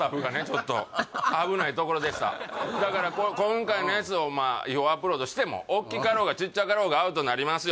ちょっと危ないところでしただから今回のやつを違法アップロードしてもおっきかろうがちっちゃかろうがアウトになりますよ